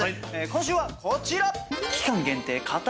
今週はこちら！